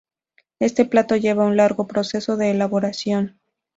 Este plato lleva un largo proceso de elaboración.